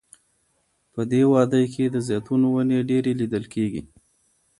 په دې وادۍ کې د زیتونو ونې ډیرې لیدل کیږي.